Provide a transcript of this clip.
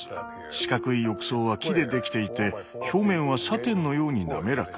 四角い浴槽は木でできていて表面はサテンのように滑らか。